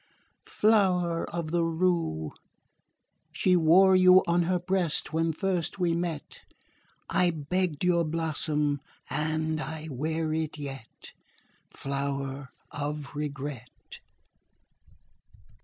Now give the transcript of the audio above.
Flower of the rue! She wore you on her breast when first we met. I begged your blossom and I wear it yet Flower of regret!